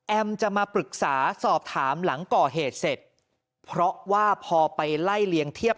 จะมาปรึกษาสอบถามหลังก่อเหตุเสร็จเพราะว่าพอไปไล่เลี้ยงเทียบ